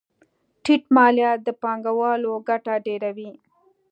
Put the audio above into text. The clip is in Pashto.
ټیټ مالیات د پانګوالو ګټه ډېروي.